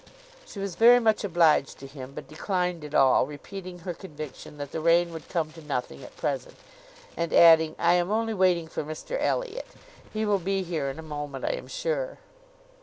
She was very much obliged to him, but declined it all, repeating her conviction, that the rain would come to nothing at present, and adding, "I am only waiting for Mr Elliot. He will be here in a moment, I am sure."